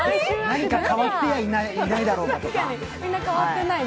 何か変わってやいないだろうかとか。